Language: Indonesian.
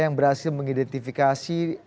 yang berhasil mengidentifikasi